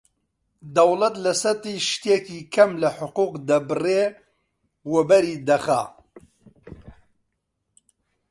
دەوڵەت لە سەدی شتێکی کەم لە حقووق دەبڕێ، وەبەری دەخا